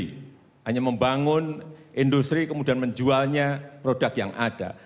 kita hanya membangun industri kemudian menjualnya produk yang ada